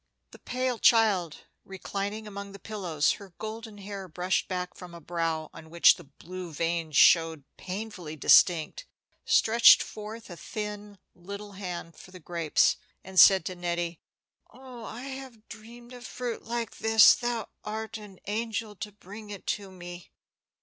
The pale child, reclining among the pillows, her golden hair brushed back from a brow on which the blue veins showed painfully distinct, stretched forth a thin little hand for the grapes, and said to Nettie, "Oh, I have dreamed of fruit like this; thou art an angel to bring it to me."